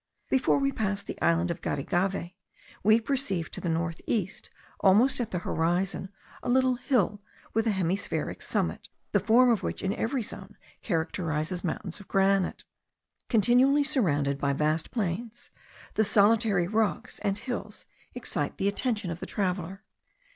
Before we passed the island of Garigave, we perceived to the north east, almost at the horizon, a little hill with a hemispheric summit; the form which in every zone characterises mountains of granite. Continually surrounded by vast plains, the solitary rocks and hills excite the attention of the traveller.